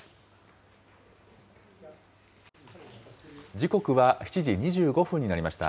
時刻は７時２５分になりました。